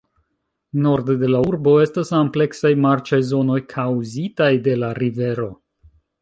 Norde de la urbo estas ampleksaj marĉaj zonoj kaŭzitaj de la rivero.